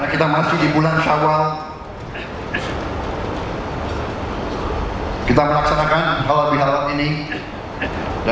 ketua tua saya berterima kasih kepada anda